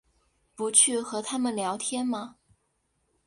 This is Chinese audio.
不去和他们聊天吗？